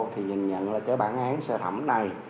thì nhìn nhận là cái bản án sơ thẩm này